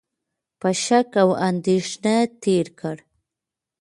په شک او اندېښنه تېر کړ،